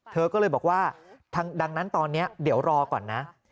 เธอก็เลยบอกว่าดังนั้นตอนนี้เดี๋ยวรอก่อนนะ